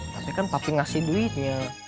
tapi kan papi ngasih duitnya